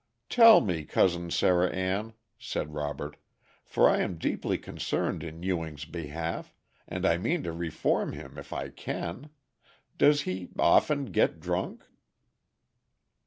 "Tell me, Cousin Sarah Ann," said Robert, "for I am deeply concerned in Ewing's behalf, and I mean to reform him if I can does he often get drunk?"